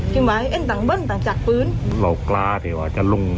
คิดว่าเอ็นต่างเบิ้ลต่างจากปืนเรากล้าที่ว่าจะลง